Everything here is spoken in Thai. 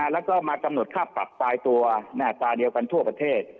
แล้วก็มากำหนดค่าปรับปลายตัวหน้าตาเดียวกันทั่วประเทศ